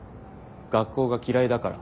学校が嫌いだから。